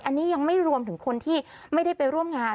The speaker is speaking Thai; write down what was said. อันนี้ยังไม่รวมถึงคนที่ไม่ได้ไปร่วมงาน